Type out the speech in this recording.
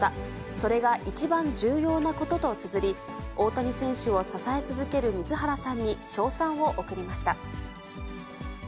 それが一番重要なこととつづり、大谷選手を支え続ける水原さんに称賛を送りました。